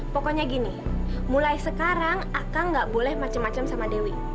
pokoknya gini mulai sekarang akang gak boleh macem macem sama dewi